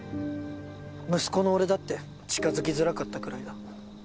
息子の俺だって近づきづらかったくらいだ。